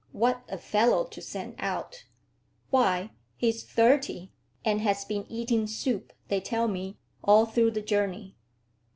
What a fellow to send out! Why, he's thirty, and has been eating soup, they tell me, all through the journey."